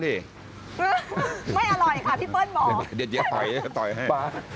ไม่อร่อยค่ะพี่เปิ้ลบอกกระตัวอย่างนี้เค้าต่อยให้